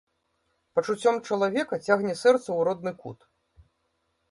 Пачуццём чалавека цягне сэрца ў родны кут.